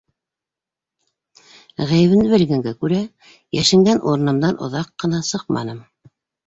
Ғәйебемде белгәнгә күрә, йәшенгән урынымдан оҙаҡ ҡына сыҡманым.